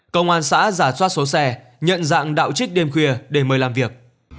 công an xã giả soát số xe nhận dạng đạo trích đêm khuya để mời làm việc